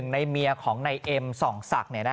ในเมียของในเอ็มส่องสัก